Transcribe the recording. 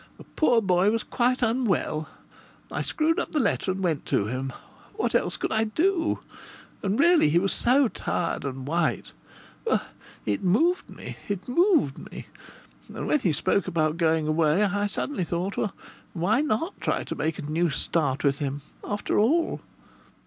The poor boy was quite unwell. I screwed up the letter and went to him. What else could I do? And really he was so tired and white well, it moved me! It moved me. And when he spoke about going away I suddenly thought: 'Why not try to make a new start with him?' After all